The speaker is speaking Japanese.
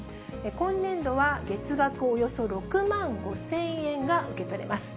今年度は月額およそ６万５０００円が受け取れます。